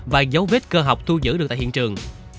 và dấu vết cơ học thu giữ được tại hiện trường